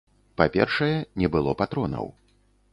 Па-першае, не было патронаў.